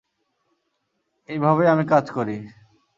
এইভাবেই আমি কাজ করি।